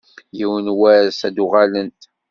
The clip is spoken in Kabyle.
Yiwen n wass ad d-uɣalent.